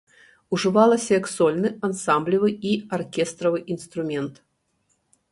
Ужывалася як сольны, ансамблевы і аркестравы інструмент.